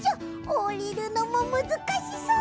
おりるのもむずかしそう！